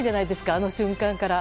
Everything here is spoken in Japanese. あの瞬間から。